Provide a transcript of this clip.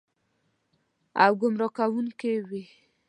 او ګمراه کوونکې وي.